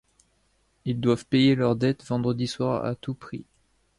Ils doivent payer leur dette vendredi soir, à tout prix...